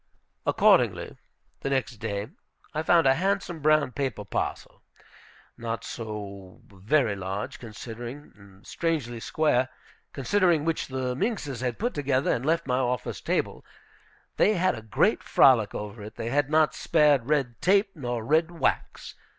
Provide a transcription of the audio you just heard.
Accordingly, the next day, I found a handsome brown paper parcel, not so very large, considering, and strangely square, considering, which the minxes had put together and left on my office table. They had a great frolic over it. They had not spared red tape nor red wax.